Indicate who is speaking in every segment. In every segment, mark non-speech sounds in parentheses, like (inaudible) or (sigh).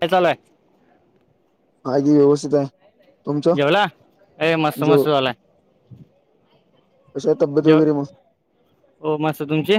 Speaker 1: ते चालेय
Speaker 2: हे व्यवसित
Speaker 1: जेवला ए मस्त मस्त झाला.
Speaker 2: अशा तब्येत
Speaker 1: जेव
Speaker 2: वगैरे म
Speaker 1: हो मस्त तुमची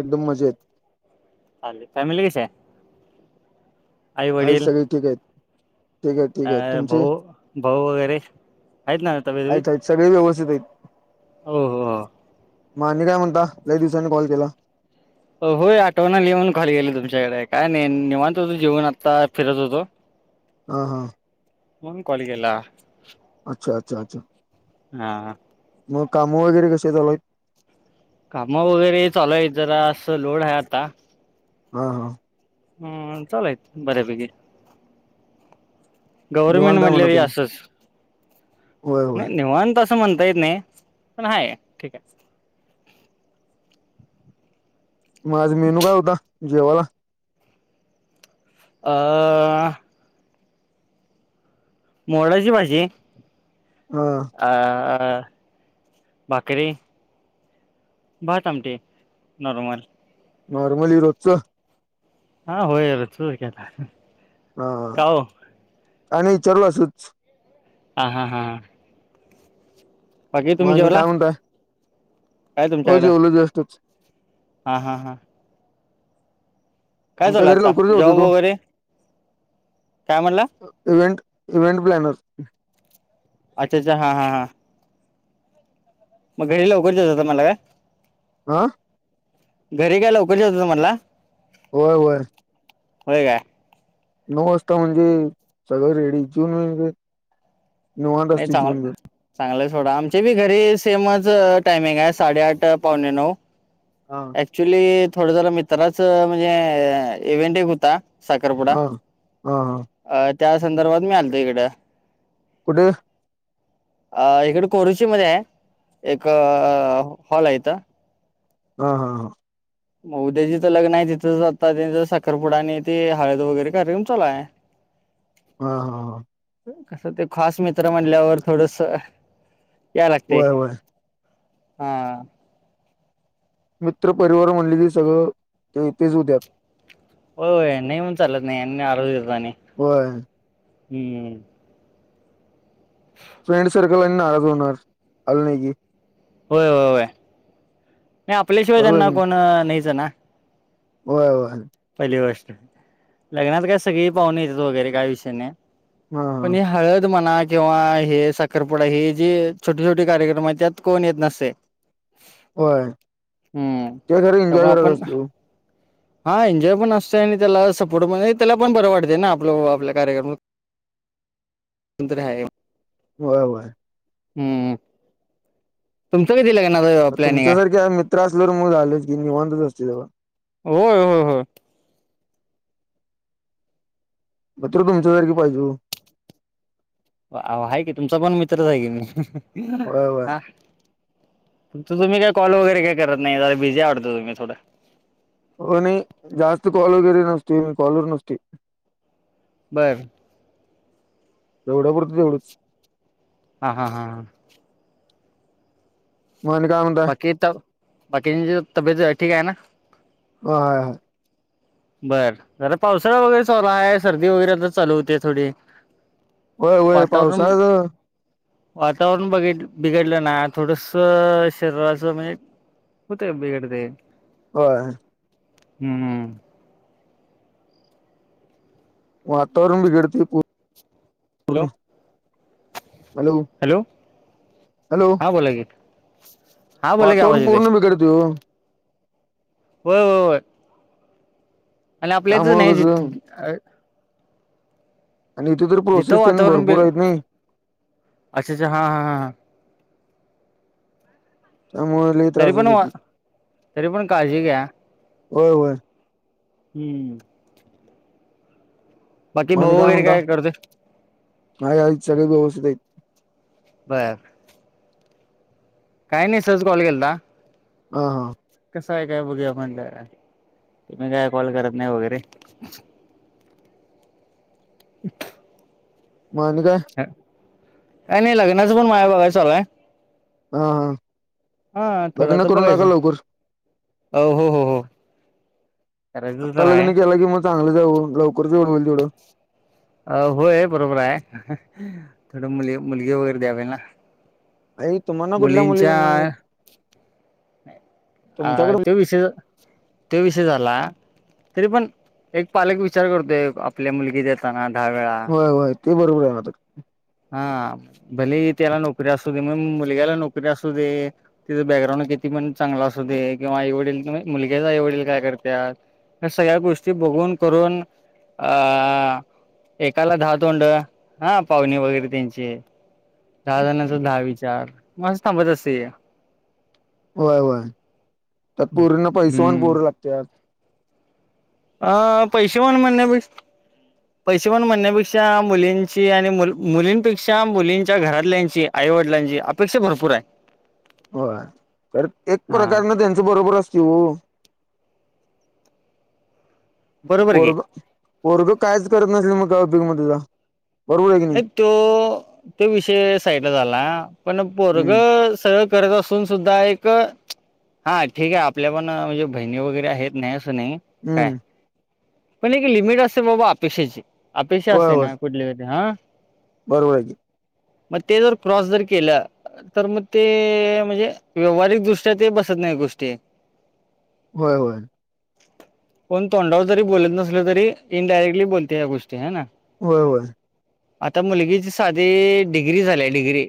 Speaker 2: एकदम मजा येत
Speaker 1: फॅम कसे आहे. आई
Speaker 2: आ
Speaker 1: वडील
Speaker 2: सगळे ठीक आहेत ठीक आहे ठीक आहे
Speaker 1: अ
Speaker 2: तुमचे
Speaker 1: भाऊ भाऊ वगैरे आहेत ना तबी
Speaker 2: आहेत
Speaker 1: तबीत
Speaker 2: आहेत सगळे व्यवस्थित आहेत
Speaker 1: होओ हो
Speaker 2: मा नाही काय म्हणता अक दिवसांनी कॉल केला
Speaker 1: होय आठवण लिऊन खाली गेले तुमच्याकडे काय नाही निवांत जेवन आत्ता फिरत होतो
Speaker 2: ह हा
Speaker 1: मग कोलगला
Speaker 2: अच्छ अच्ा अचछा
Speaker 1: हा
Speaker 2: मग काम वगैरे कशी चालुयत
Speaker 1: काम वगैरे चालूय जरा असं लोड आहे आता
Speaker 2: हा हा
Speaker 1: हम्म चालय बर्या बेकी गव्हर्मेंट
Speaker 2: निवांत आहे म्हणा
Speaker 1: म्हटले
Speaker 2: तुम्ही
Speaker 1: असंच
Speaker 2: होय होय
Speaker 1: नाही निवांत अस म्हणता येत नाही पण हाय ठीक आहे.
Speaker 2: माझ मेनू काय होता जेववाला
Speaker 1: आ हं मोडाची भाजी
Speaker 2: ह
Speaker 1: बकरी बातम ट नॉर्मल
Speaker 2: नॉर्मल रोजचं
Speaker 1: हा होयर चूर कायता
Speaker 2: हा आणि चलवासच
Speaker 1: हा हा हा हां बाकीे तुम्
Speaker 2: मग आणि
Speaker 1: जेवला
Speaker 2: काय म्हणताय
Speaker 1: काय
Speaker 2: हो
Speaker 1: तुमच्याकडे
Speaker 2: जेलो जास्टच
Speaker 1: हा हा हा काय
Speaker 2: आमच्या
Speaker 1: चाल
Speaker 2: घरी
Speaker 1: आता
Speaker 2: लवकर जेवतो
Speaker 1: जॉब
Speaker 2: तो
Speaker 1: वगैरे काय म्हणला
Speaker 2: इवहेंट इवहेंट प्लॅनर
Speaker 1: अच्ा अच्ा हा हा हा मग घरी लवकर दात हों मला काय
Speaker 2: आह
Speaker 1: घरी गयलावकरच होतो तुम्हाला
Speaker 2: होय होय
Speaker 1: हो का
Speaker 2: नऊ वाजता म्हणजे सगळं रेडी जऊन म्ह
Speaker 1: नाही चांगलं चांगलेचोडा आमचे बी घरी सेमच टायमिंग आहे साडेआठ पावणे नऊ
Speaker 2: हा
Speaker 1: क्च्युली थोडा जरा मित्राच म्हणजे इव्हेंट एक होता साखरपुडा
Speaker 2: हा हा हा
Speaker 1: अ त्या संदर्भात मी आलतो इकडं
Speaker 2: कुठे
Speaker 1: अ इकडे कोरुची मध्ये आहे एक हॉल आहेथ
Speaker 2: हा हा हा
Speaker 1: मग उद्याचीं लग्न आहे तिथंच आता त्यांचं साखरपुडा आणि ते हळद वगैरे कार्यक्रम चचाला आहे (inaudible)
Speaker 2: हा हा हा
Speaker 1: कसं ते खास मित्र म्हणल्यावर थोडस यालगते
Speaker 2: व्हय व्हय
Speaker 1: हा
Speaker 2: मित्र पररिवार म्हणले ते सगळं ते तेच होत्या
Speaker 1: हो नाही मण चालत नाही आरो देत आणि
Speaker 2: व्हय
Speaker 1: हम्म ह
Speaker 2: फ्रेंड सर्कल आणि नाराज होणार आल नाही की
Speaker 1: होय होय होय नाही आपल्याशिवाय
Speaker 2: बरोबर
Speaker 1: त्यांना कोण नाहीचं ना
Speaker 2: हो
Speaker 1: पहिली गोष्ट लग्नात काय सगळी पाहून येतात वगैरे काय विषय नाही
Speaker 2: हा हा
Speaker 1: पण ह हळद म्हणा किंवा हे साखरपुडा हे जे छोटे छोटी कार्यक्रम आहे त्यात कोण येत नसते
Speaker 2: होय
Speaker 1: हम्म
Speaker 2: ते खर
Speaker 1: त्यामुळे
Speaker 2: एन्जॉय करत
Speaker 1: आपण
Speaker 2: असत
Speaker 1: हा एन्जॉय पण असतो आणि त्याला सपोर्ट पण त्याला पण बरं वाटते ना आपलं आपल्या कार्यक्रमात तंत्र आहे
Speaker 2: होय होय
Speaker 1: हम्म तुमच कध दि लगणार
Speaker 2: तुमच्यासारखे मित्र असले तर मग झालेच की निवांतच असतील तेव
Speaker 1: होय होय हो
Speaker 2: म्र तुमच्यासारखी पाहिजे
Speaker 1: आहे की तुमचा पण मित्रच आहे की मी
Speaker 2: व्हय व्हय
Speaker 1: हा तुम् काही कॉल वैे काही करत नाहीला बझी आवत तुम् थोडं
Speaker 2: हो नाही जास्त कोॉल वगैरीे नसते मी कॉलोर नसते
Speaker 1: बरं
Speaker 2: एवढं पुरतं तेवढच
Speaker 1: हा हा हा ह
Speaker 2: मग आणि काय म्हन
Speaker 1: बाकी तर बाकीची तब्येत ठीक आहे ना
Speaker 2: होय
Speaker 1: बरं जरा पावसाळा वगैरे चालू आहे सर्दी वगैरे तर चालू होते थोडी
Speaker 2: होय होय
Speaker 1: वातावरण
Speaker 2: पावसाळ्याच
Speaker 1: वातावरण बघ बिघडलं ना थोडसं शरीराचं म्हणजे होतंय बिगडतंय
Speaker 2: होय
Speaker 1: हम्म
Speaker 2: वातावरण बिघडते पूर्ण
Speaker 1: हॅलो
Speaker 2: हॅलो
Speaker 1: हा बोला की हा बोला की आवाज
Speaker 2: वातावरण
Speaker 1: येतोय
Speaker 2: पूर्ण बिघडत
Speaker 1: हो हो आणि आपल्याच
Speaker 2: त्यामुळ
Speaker 1: नाही
Speaker 2: कसं आणि इथे तर
Speaker 1: जिथं
Speaker 2: प्रोसेस भरपूर आहेत नाही
Speaker 1: अच्छाच्छा हां हां
Speaker 2: त्यामुळे लय
Speaker 1: तरी
Speaker 2: त्रास
Speaker 1: पण
Speaker 2: होतोय
Speaker 1: तरी पण काळजी घ्या
Speaker 2: होय होय
Speaker 1: हम्म बाकी
Speaker 2: मग आणि
Speaker 1: भाऊ वगैरे
Speaker 2: म्हणता?
Speaker 1: काय करतोय
Speaker 2: हाय हाईत सगळे व्यवस्थित आहेत.
Speaker 1: बर काही नाही सहज कॉल केेलता
Speaker 2: ह हां
Speaker 1: कसं आहे काय बघूया म्हणलं तुम्ही मी काय कॉल करत नाही वगैरे
Speaker 2: मग आणि काय
Speaker 1: काय नाही लग्नाचं पण माझ्या बघाय चालू आहे
Speaker 2: हा हा
Speaker 1: हा थोडं
Speaker 2: लग्न
Speaker 1: तर
Speaker 2: करून टाका
Speaker 1: बघायचं
Speaker 2: लवकर
Speaker 1: हो हो हो हो करायचं
Speaker 2: आत्ता
Speaker 1: तर
Speaker 2: लग्न
Speaker 1: आहे
Speaker 2: केला की मग चांगलंच आहे ओ लवकरच जेवढं होईल तेवढं
Speaker 1: अ होय बरोबर आहे थोडं मुली मुलगी वगैरे द्यावेल ना
Speaker 2: आई तुम्हाना कुठल्या मुली
Speaker 1: मुलींच्या
Speaker 2: त्याना नाही
Speaker 1: हा तो विषय तो विषय झाला तरी पण एक पालक विचार करतोय आपल्या मुलगी देताना दहा वेेळा
Speaker 2: होय होय ते बरोबर आहे मात्र.
Speaker 1: हा भले त्याला नोकरी असू दे मग मुलग्याला नोकरी असू दे तिचं बॅकग्राऊंड किती पण चांगलं असू दे किंवा आई वडील मुलग्याचं आईवडील काय करतात या सगळ्या गोष्टी बघून करून अ एकाला दहा तोंडं हा पाहुणे वगैरे त्यांची दहा जणांचा दहा विचार मग असं थांबत असते
Speaker 2: होय होय तर पूरींना पैसेवान
Speaker 1: हम्म
Speaker 2: पोरं लागतात
Speaker 1: हा पैसेवान म्हणण्यापेक्षा पैसेवाण म्हणण्यापेक्षा मुलींची आणि मु मुलींपेक्षा मुलींच्या घरातल्यांची आईवडिलांची अपेक्षा भरपूर आहे
Speaker 2: होय खरं एक
Speaker 1: हा
Speaker 2: प्रकारन त्यांचं बरोबर असते हो
Speaker 1: बरोबर की
Speaker 2: पोरगं पोरगं कायच करत नसेल मग का उपयोग त्याचा बरोबर आहे की
Speaker 1: नाही तो तो विषय साईट झाला पण
Speaker 2: हम्म
Speaker 1: पोरगं सगळं करत असून सुद्धा एक हा ठीक आहे आपल्या पण म्हणजे बहिणी वगैरे आहेत नाही असं नाही काय
Speaker 2: हम्म
Speaker 1: पण एक लिमिट असते बाबा अपेक्षेची अपेक्षा
Speaker 2: होय
Speaker 1: असते
Speaker 2: होय
Speaker 1: ना कुठली हो हा
Speaker 2: बरोबर
Speaker 1: मग ते ज क्रॉस जर केला तर मग ते म्हणजे व्यवहारिकदृष्ट्या ते बसत नाही गोष्टी
Speaker 2: होय होय
Speaker 1: पण तोंडावर जरी बोलत नसलं तरी इनडायरेक्टली बोलते या गोष्टी ह ना
Speaker 2: होय होय
Speaker 1: आता मुलगीची साधी डिग्री झाली डिग्री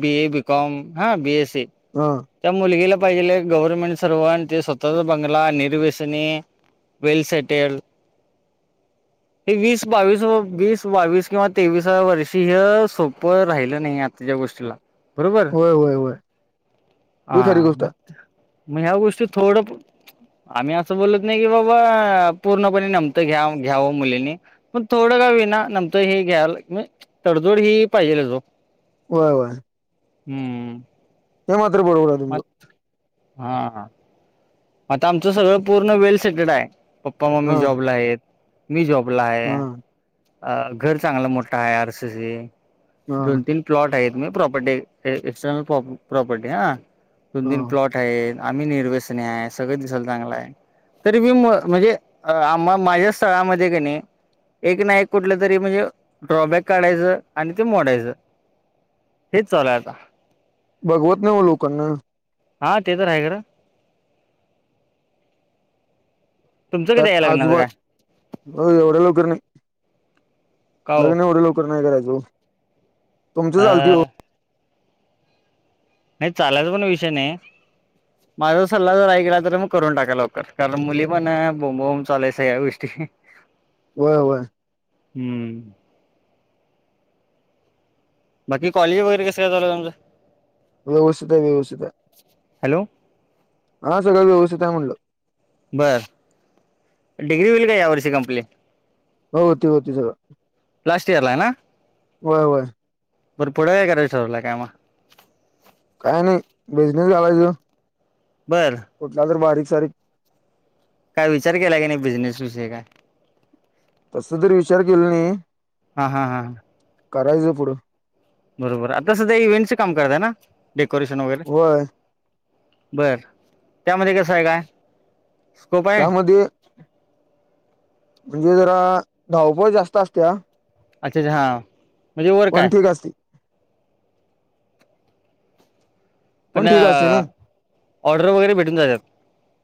Speaker 1: बी ए बीकॉम हा बीएस सी
Speaker 2: हम
Speaker 1: त्या मुलगीला पाहिजे गव्हर्नमेंट सर्व आणि ते स्वतःचा बंगला निर्वसनी वल सटल हे वीस बावीस वीस बावीस किंवा तेवीसा वर्षी हे सोपं राहिलं नाही आता त्या गोष्टीला बरोबर
Speaker 2: होय होय होय
Speaker 1: आ
Speaker 2: ही खरी गोष्ट
Speaker 1: म
Speaker 2: आहे
Speaker 1: म ह्या गोष्टी थोडं आम्ही असं बोलत नाही की बाबा पूर्णपणे नमतं घ्या घ्यावं मुलीनी पण थोडं का होईना नमतं हे घ्याल म्हणजे तडजोड ही पाहिजेलच ओ
Speaker 2: होय वाय
Speaker 1: हम्म
Speaker 2: हे माात्र बरोब
Speaker 1: म हा आता आमचं सगळं पूर्ण वेल सेटड आहे पप्पा मम्मी
Speaker 2: हा
Speaker 1: जॉबला आहेत मी जॉबला आहे
Speaker 2: हा
Speaker 1: अ घर चांगला मोठा आहे आरसेस
Speaker 2: हा
Speaker 1: दोन तीन प्लॉट आहे तु म्ही प्रॉपर्टी एक्सटर्नल प्रॉपर्टी हा दोन
Speaker 2: हा
Speaker 1: तीन प्लॉट ठ आम्ही निर्वेसणे आहे सगळं दिसाल चांगलं आहे तरी मी म्हणजे आ माझ्या स्थळामध्ये कणी एक ना एक कुठलं तरी म्हणजे ड्रॉबॅक काढायचं आणि ते मोडायचं हेच चालय आता
Speaker 2: बघवत नाही लोकांना
Speaker 1: हा ते तरर आहेगर तुमचं
Speaker 2: त्यात
Speaker 1: कधी आहे लग्नाचं काय
Speaker 2: आजूबाज एवढ्या लवकर नाही
Speaker 1: का हो
Speaker 2: लग्न एवढ लोकर नाही करा तुमच चाल
Speaker 1: अ नाही चालायचा पण विषय नाही माझा सल्ला जर ऐ गला तर मग करून टाका लवकर कारण मुली पण बोम बोम चालायच या गोष्टी ह
Speaker 2: वय होय
Speaker 1: हम्म बाकी कॉले वगैरेस काय झालं तमचं
Speaker 2: व्यवस्थित आहे व्यवस्थित आहे
Speaker 1: हॅलो
Speaker 2: हा सगळं व्यवस्थित आहे म्हणलं
Speaker 1: बर डिग्री होईल का या वर्षी कंप्लीट
Speaker 2: होती होती सगळ
Speaker 1: लास्ट इयरला आहे
Speaker 2: वय होय
Speaker 1: बर पुढं काय कराय ठरलं कायग
Speaker 2: काय नाही बिझनेस झालायच
Speaker 1: बरं
Speaker 2: कुठला तर बारीक सारीक
Speaker 1: काय विचार केला की नाही बिझनेस विषय काय
Speaker 2: तस जरी विचार केला नाही
Speaker 1: हां हां हां
Speaker 2: करायचं पुढं
Speaker 1: बरोबर आता सध्या इव्हेंटचं काम करत ना डेकोरेशन वगैरे
Speaker 2: होय
Speaker 1: बरं त्यामध्ये कसं आहे काय स्कोप आहे
Speaker 2: त्यामध्ये म्हणजे जरा धावपळ जास्त असतो या
Speaker 1: अच्छा अच्छा हा म्हणजे वर काय
Speaker 2: पण ठीक असते
Speaker 1: पण
Speaker 2: ठीक असते ना
Speaker 1: ऑर्डर वगैरे भेटून जातात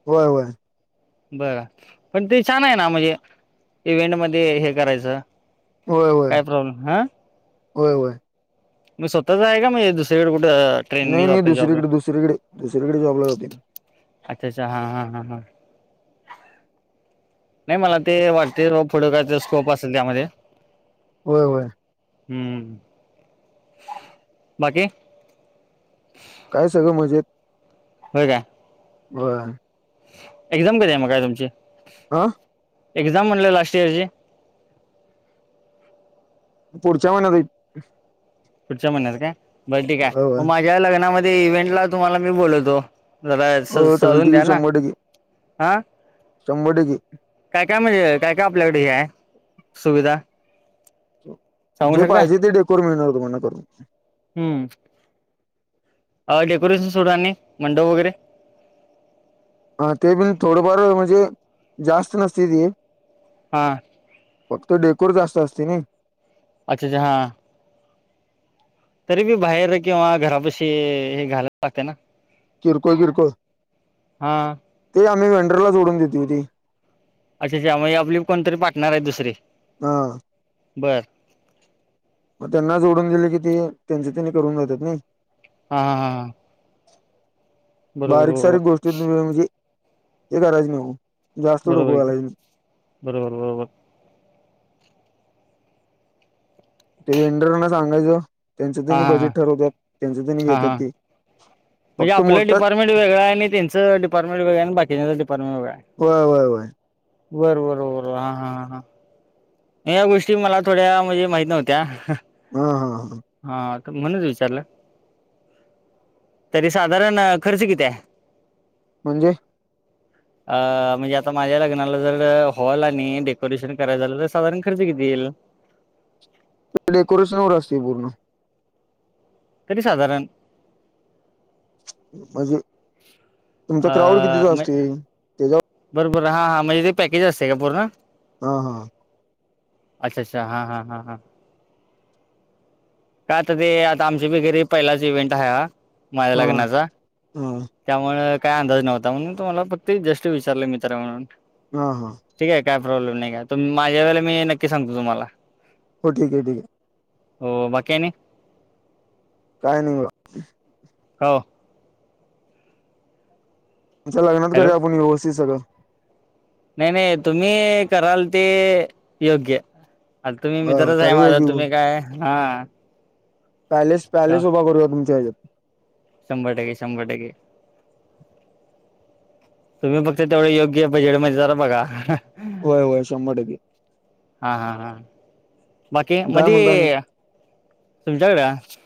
Speaker 2: होय होय
Speaker 1: बरं पण ते छान आहे ना म्हणजे इव्हेंट मध्ये हे करायचं
Speaker 2: होय होय
Speaker 1: काय प्रॉब्लेम हां
Speaker 2: होय होय
Speaker 1: मी स्वतःच आहे का मी दुसरीकडे कुठं
Speaker 2: नाही
Speaker 1: ट्रेनिंगला
Speaker 2: नाही
Speaker 1: जातं जॉबला
Speaker 2: दुसरीकडे दुसरीकडे दुसरीकडे जॉबला होात
Speaker 1: अच्छा अच्छा हा हा हा हा नाही मला ते वाटते रो पुढे कायचा स्कोप असेल त्यामध्ये
Speaker 2: होय होय
Speaker 1: हम्म बाकी
Speaker 2: काय सगळं मजेत
Speaker 1: हो का
Speaker 2: वर
Speaker 1: एक्झाम क आहे म का तुमची
Speaker 2: हा
Speaker 1: एक्झाम म्हणले लास्ट इयरची
Speaker 2: पुढच्या महिन्यात
Speaker 1: पुढच्या महिन्यात काय बर ठीक आहे
Speaker 2: होय
Speaker 1: मग
Speaker 2: होय
Speaker 1: माझ्या लग्नामध्ये इव्हेंट ला तुम्हाला मी बोलवतो जला सज
Speaker 2: हो
Speaker 1: सजवून
Speaker 2: चालते की
Speaker 1: द्या ना
Speaker 2: शंभर टक्के
Speaker 1: हा
Speaker 2: शंभर टक्के
Speaker 1: काय काय म्हणजे काय काय आपल्याकडे हे आहे सुविधा सांगू
Speaker 2: जे
Speaker 1: शकता
Speaker 2: पाहिजे ते डेकोर मिळणार तुम्हाना करून
Speaker 1: हम्म डेकोरेशन सोडा नाही मंडप वगैरे
Speaker 2: हा ते बि थोडंफार म्हणजे जास्त नसती ती
Speaker 1: हा
Speaker 2: फक्त डेकोर जास्त असते नाही
Speaker 1: अच्छा छ हा तरी बी बाहेर किंवा घरापशी हे घालायला लागते ना
Speaker 2: किरकोळ किरकोळ
Speaker 1: हां
Speaker 2: ते आम्ही व्हेंडरला सोडून देते होती
Speaker 1: अच्छा अच्छाग आपली कोणतरी पार्टनर आहे दुसरी
Speaker 2: ह
Speaker 1: बरं
Speaker 2: मग त्यांना जोडून दिले की ते त्यांचे त्यांनी करून जेतात नाही
Speaker 1: हा हा हा ह
Speaker 2: बारीक
Speaker 1: बरोबर
Speaker 2: सारीक गोष्टी तु म्हणजे ते करायच नाही हो
Speaker 1: बरोबर की बरोबर बरोबर
Speaker 2: ते व्हेंडरांना सांगायचं त्यांचं
Speaker 1: हां
Speaker 2: त्यांनी
Speaker 1: हां हां
Speaker 2: बजेट ठरवतात त्यांच त्यांनी
Speaker 1: हां
Speaker 2: घेतात
Speaker 1: हां
Speaker 2: ते
Speaker 1: म्हणजे
Speaker 2: फक्त
Speaker 1: आपलं
Speaker 2: मोठा
Speaker 1: डिपारमेंट वेगळं आहे आणि त्यांचं डिपार्टमेंट आणि बाकीच्यांचे डिपार्टमेंट वेगळा आहे
Speaker 2: होय होय होय
Speaker 1: बरं बर बर हा हा हां या गोष्टी मला थोड्या म्हणजे माहित नव्हत्या
Speaker 2: हा हा हां
Speaker 1: हा तर म्हणच विचारलं तरी साधारण खर्च किती आहे
Speaker 2: म्हणजे
Speaker 1: अ म्हणजे आता माझ्या लग्नाला जर हॉल आणि डेकोरेशन करायलां झालं तर साधारण खर्च किती येईल
Speaker 2: डेकोरेशन वर असते पूर्ण
Speaker 1: तरी साधारण
Speaker 2: म्हणजे तुमचा
Speaker 1: अ
Speaker 2: क्राउड कितीचा
Speaker 1: म
Speaker 2: असत
Speaker 1: बरोबर आहे हा हां म्हणजे ते पॅकेज असते का पूर्ण
Speaker 2: ह हा
Speaker 1: अच्छ अच्ा हा हा हा हा काय आता ते आता आमची बगैरे पहिलाच इव्हेंट आहे हा माझ्या
Speaker 2: हा
Speaker 1: लग्नाचा
Speaker 2: हा
Speaker 1: त्यामु काय अंदाज नव्हता म्हणून तुम्हाला फक्त जस्ट विचारले मित्र म्हणून
Speaker 2: ह हा
Speaker 1: ठीक आहे काय प्रॉब्लेम नाही का माझ्या वेला मी नक्की सांगतो तुम्हाला
Speaker 2: हो ठीक आहे ठीक आहे
Speaker 1: हो मगनी
Speaker 2: काय नाही
Speaker 1: हो
Speaker 2: आच्या लग्नात
Speaker 1: हॅलो
Speaker 2: कररा आपण ववस्थी सळं
Speaker 1: नाही नाही तुम्ही कराल ते योग्य आ तुम्ही
Speaker 2: होय होय
Speaker 1: मित्रच आहे माझ
Speaker 2: करूया की
Speaker 1: तुम्ही काय हा.
Speaker 2: पॅलेस पॅलेस उभा करूया तुमच्या हच्यात
Speaker 1: शंभर टक्के शंभर टक्के. तुम्ही फक्त तेवढे योग्य बजेट ममध्ये जरा बघा.
Speaker 2: होय होय शंभर टक्के.
Speaker 1: हा हा हा बाकी
Speaker 2: काय म्हणता आणि
Speaker 1: मध्ये तुमच्याकडे